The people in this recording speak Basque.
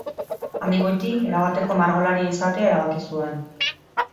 Handik goiti erabateko margolaria izatea erabaki zuen.